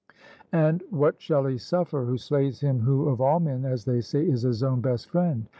And what shall he suffer who slays him who of all men, as they say, is his own best friend?